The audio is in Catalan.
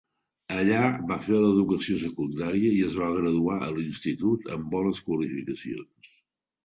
Allà va fer l'educació secundària i es va graduar a l'institut amb bones qualificacions.